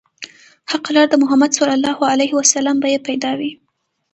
حقه لار د محمد ص به يې پيدا وي